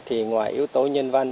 thì ngoài yếu tố nhân văn